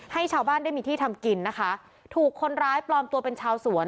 ให้ชาวบ้านได้มีที่ทำกินนะคะถูกคนร้ายปลอมตัวเป็นชาวสวน